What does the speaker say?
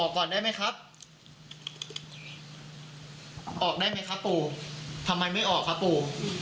ทำไมไม่ออกครับปู่